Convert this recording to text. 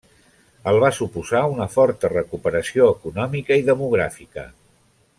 El va suposar una forta recuperació econòmica i demogràfica.